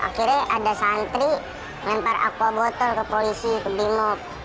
akhirnya ada santri lempar aqua botol ke polisi ke bimob